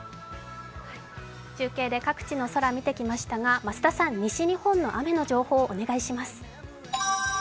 中継で各地の空、見てきましたが増田さん、西日本の雨の情報をお願いします。